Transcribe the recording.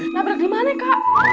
nabrak dimana kak